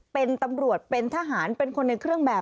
เป็นตำรวจเป็นทหารเป็นคนในเครื่องแบบ